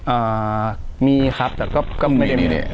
อ่ามีครับแต่ก็ไม่ได้มี